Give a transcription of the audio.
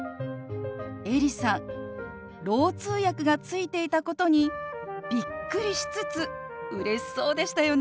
エリさんろう通訳がついていたことにびっくりしつつうれしそうでしたよね。